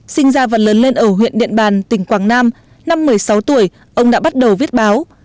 sinh ra và lớn lên ở huyện điện bàn tỉnh quảng nam năm một mươi sáu tuổi ông đã bắt đầu viết báo